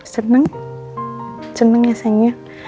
seneng seneng ya sayangnya